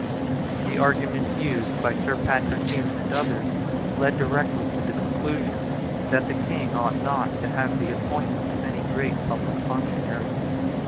The arguments used by Sir Patrick Hume and others led directly to the conclusion that the King ought not to have the appointment of any great public functionary.